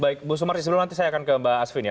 ibu sumarsi sebelum nanti saya akan ke mbak asvin ya